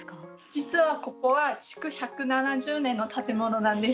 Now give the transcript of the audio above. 実はここは築１７０年の建物なんです。